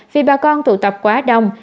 vì bà con tụ tập quá đông